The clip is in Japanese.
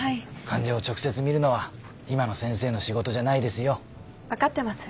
患者を直接診るのは今の先生の仕事じゃないですよ。分かってます。